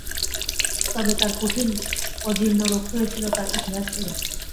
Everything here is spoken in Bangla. কবে তাঁর কঠিন অজীর্ণরোগ হয়েছিল তার ইতিহাস এল।